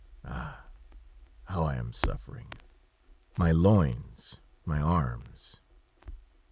Ah! how I am suffering! My loins, my arms!"